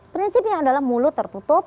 prinsipnya adalah mulut tertutup